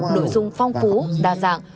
nội dung phong phú đa dạng